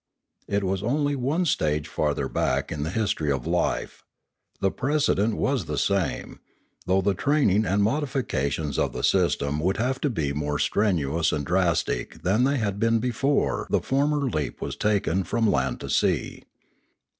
It was only one stage farther back in the history of life; the precedent was the same, though the training and modification of the system would have to be more strenuous and drastic than they had been before the former leap was taken from land to sea.